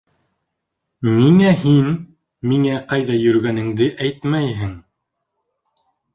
Ниңә һин миңә ҡайҙа йөрөгәнеңде әйтмәйһең?